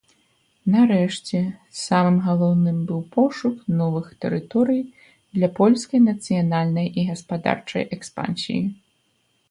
Нарэшце, самым галоўным быў пошук новых тэрыторый для польскай нацыянальнай і гаспадарчай экспансіі.